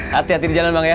hati hati di jalan bang ya